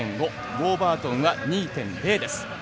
ウォーバートンが２．０です。